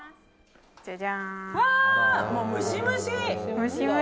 じゃじゃーん！